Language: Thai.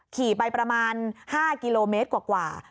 ขี่ไปประมาณ๕กิโลเมตรกว่า